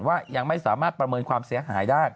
ว่ายังไม่สามารถประเมินความเสียหายได้